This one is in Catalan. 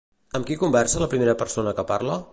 Amb qui conversa la primera persona que parla?